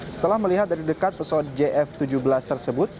setelah melihat dari dekat pesawat jf tujuh belas tersebut